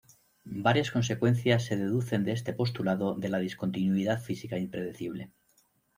Varias consecuencias se deducen de este postulado de la discontinuidad física impredecible.